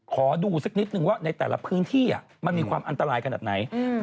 ขอดูสักนิดนึงว่าในแต่ละพื้นที่มันมีความอันตรายขนาดไหน